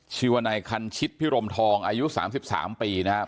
ชื่อว่านายคันชิตพิรมทองอายุ๓๓ปีนะครับ